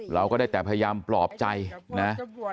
เราก็ได้แต่พยายามปลอบใจนะ